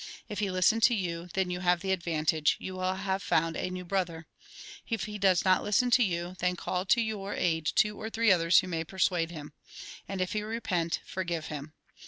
If he listen to you, then you have the advantage, you will have found a new brother. If he do not listen to you, then call to your aid two or three others who may persuade him. And if he repent, forgive him.